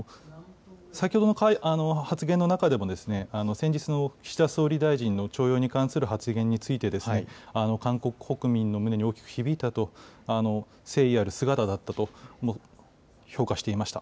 先ほどの発言の中でも、先日の岸田総理大臣の徴用に関する発言について、韓国国民の胸に響いたと、誠意ある姿だったと、評価していました。